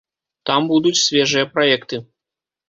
Там будуць свежыя праекты.